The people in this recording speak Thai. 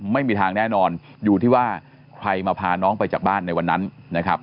ไม่มีทางแน่นอนอยู่ที่ว่าใครมาพาน้องไปจากบ้านในวันนั้นนะครับ